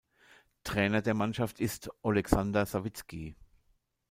Trainer der Mannschaft ist Olexander Sawizki.